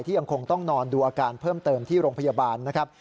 ยังคงต้องนอนดูอาการเพิ่มเติมที่โรงพยาบาลนะครับ